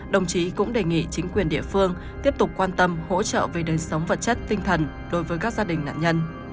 đồng chí cũng đề nghị chính quyền địa phương tiếp tục quan tâm hỗ trợ về đời sống vật chất tinh thần đối với các gia đình nạn nhân